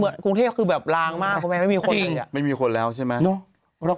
อ๋อเหรอคือจริงเปิดนี่คือสองเหรอ